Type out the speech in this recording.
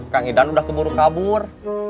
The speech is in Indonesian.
kang idan udah keburu kabur